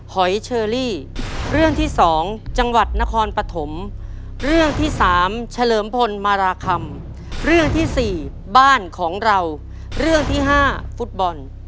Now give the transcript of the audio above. ขอเลือกเป็นฟุตบอลครับ